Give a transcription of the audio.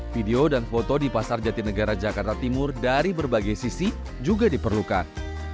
video dan foto di pasar jatinegara jakarta timur dari berbagai sisi juga diperlukan